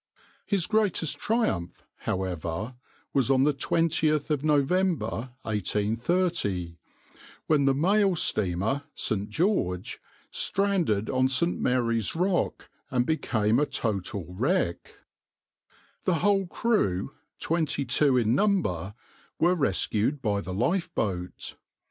His greatest triumph, however, was on the 20th of November 1830, when the mail steamer {\itshape{St. George}} stranded on St. Mary's Rock and became a total wreck. The whole crew, twenty two in number, were rescued by the lifeboat.